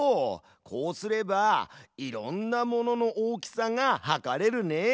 こうすればいろんなものの大きさがはかれるね。